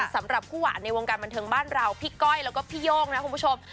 สำหรับคู่หวานในวงการบันเทิงบ้านเราพี่ก้อยแล้วก็พี่โย่งนะคุณผู้ชม